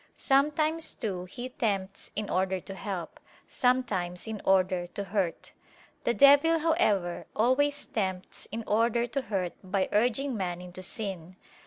Sometimes too he tempts in order to help, sometimes in order to hurt. The devil, however, always tempts in order to hurt by urging man into sin.